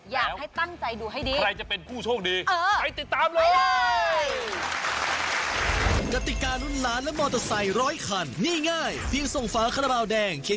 อยากให้ตั้งใจดูให้ดี